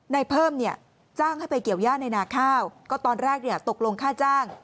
เพิ่มเนี่ยจ้างให้ไปเกี่ยวย่าในนาข้าวก็ตอนแรกเนี่ยตกลงค่าจ้าง